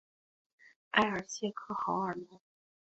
埃尔谢克豪尔毛。